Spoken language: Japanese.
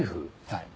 はい。